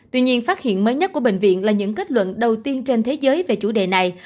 tuy nhiên phát hiện mới nhất của bệnh viện là những kết luận đầu tiên trên thế giới về chủ đề này